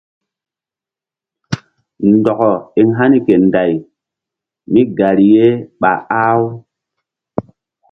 Ndɔkɔ eŋ hani ke Nday mígari ye ɓa ah-u.